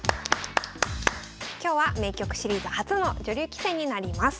今日は名局シリーズ初の女流棋戦になります。